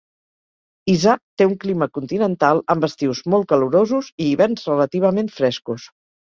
Hisar té un clima continental, amb estius molt calorosos i hiverns relativament frescos.